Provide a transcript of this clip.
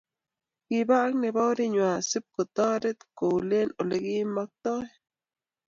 kibaa ak nebo arinywa sibkotaret koule olikimaktai